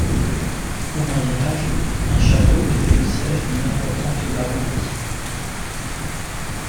Au Moyen Âge, un château était le siège d'une importante baronnie.